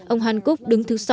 ông hancock đứng thứ sáu